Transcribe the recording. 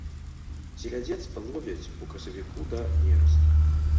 Селядзец ловяць у красавіку да нерасту.